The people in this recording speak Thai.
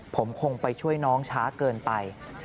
ผมคงไปช่วยน้องช้าเกินไป